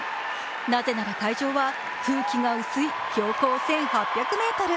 なぜなら会場は空気が薄い標高１８００ｍ。